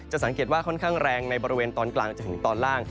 สังเกตว่าค่อนข้างแรงในบริเวณตอนกลางจนถึงตอนล่าง